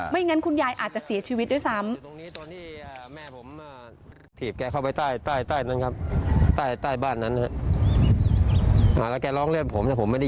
ไม่งั้นคุณยายอาจจะเสียชีวิตด้วยซ้ำตรงนี้ตอนที่อ่าแม่ผมอ่า